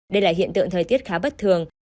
đây là hiện tượng thời tiết khá bất thường